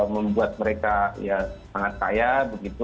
membuat mereka ya sangat kaya begitu